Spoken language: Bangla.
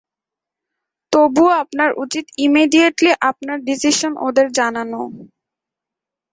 তবু আপনার উচিত ইমিডিয়েটলি আপনার ডিসিশন ওদের জানানো।